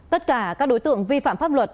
tất cả các đối tượng vi phạm pháp luật